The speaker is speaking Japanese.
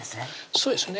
そうですね